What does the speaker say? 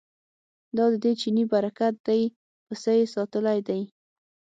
دا ددې چیني برکت دی پسه یې ساتلی دی.